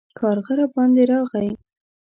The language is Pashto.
کارغه راباندې راغی